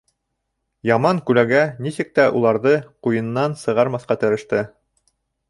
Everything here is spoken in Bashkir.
Яман күләгә нисек тә уларҙы ҡуйынынан сығармаҫҡа тырышты.